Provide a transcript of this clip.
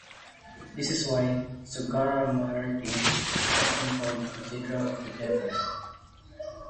This is why Zugarramurdi is often called "The Cathedral of the Devil".